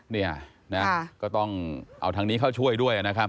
เนี่ยนะก็ต้องเอาทางนี้เข้าช่วยด้วยนะครับ